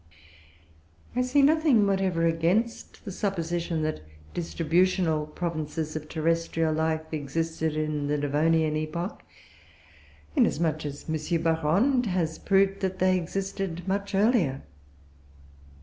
I see nothing whatever against the supposition that distributional provinces of terrestrial life existed in the Devonian epoch, inasmuch as M. Barrande has proved that they existed much earlier.